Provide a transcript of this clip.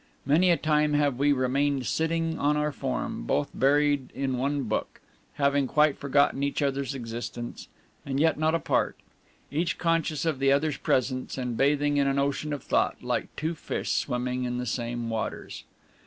Many a time have we remained sitting on our form, both buried in one book, having quite forgotten each other's existence, and yet not apart; each conscious of the other's presence, and bathing in an ocean of thought, like two fish swimming in the same waters.